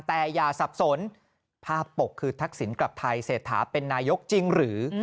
แต่อย่าสับสนภาพปกคือทักษิณกลับไทยเศรษฐาเป็นนายกจริงหรือ